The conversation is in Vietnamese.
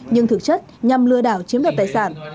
nhưng thực chất nhằm lừa đảo chiếm đoạt tài sản